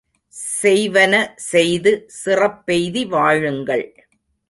செய்வன செய்து சிறப்பெய்தி வாழுங்கள்.